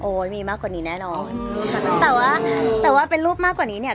มีมากกว่านี้แน่นอนแต่ว่าแต่ว่าเป็นรูปมากกว่านี้เนี่ย